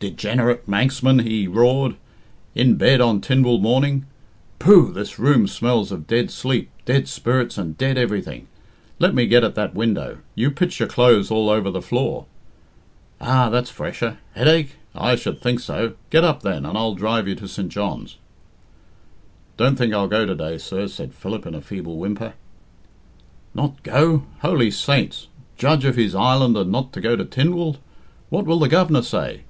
"Degenerate Manxman!" he roared. "In bed on Tynwald morning. Pooh! this room smells of dead sleep, dead spirits, and dead everything. Let me get at that window you pitch your clothes all over the floor. Ah! that's fresher! Headache? I should think so. Get up, then, and I'll drive you to St. John's." "Don't think I'll go to day, sir," said Philip in a feeble whimper. "Not go? Holy saints! Judge of his island and not go to Tynwald! What will the Governor say?"